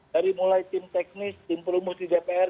dari mulai tim teknis tim perumus di dpr